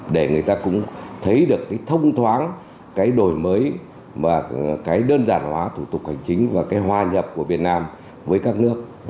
để người ta cũng thấy được thông thoáng đổi mới và đơn giản hóa thủ tục hành chính và hoa nhập của việt nam với các nước